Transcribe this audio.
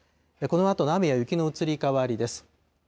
このあとの雨や雪の移り変わりです。